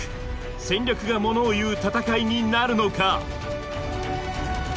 戦略がものをいう戦いになるのか。